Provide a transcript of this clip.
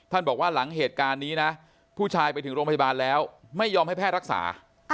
บอกว่าหลังเหตุการณ์นี้นะผู้ชายไปถึงโรงพยาบาลแล้วไม่ยอมให้แพทย์รักษา